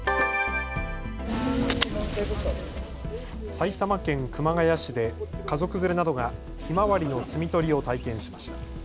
埼玉県熊谷市で家族連れなどがひまわりの摘み取りを体験しました。